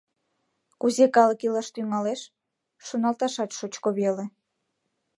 Кузе калык илаш тӱҥалеш — шоналташат шучко веле.